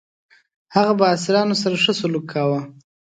هغه به اسیرانو سره ښه سلوک کاوه.